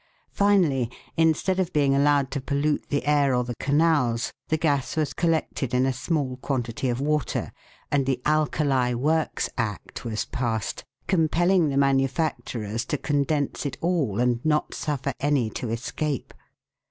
Finally, instead of being allowed to pollute the air or the canals, the gas was collected in a small quantity of water, and the Alkali Works Act was passed, compelling the manufacturers to condense it all and not suffer any to escape.